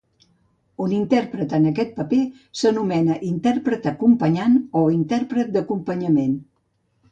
Un intèrpret en aquest paper s'anomena "intèrpret acompanyant" o "intèrpret d'acompanyament".